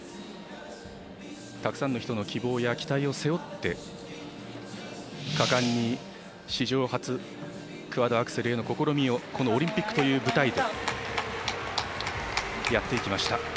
たくさんの人の希望や期待を背負って果敢に史上初クワドアクセルへの試みをこのオリンピックという舞台でやっていきました。